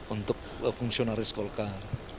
untuk fungsionaris golkar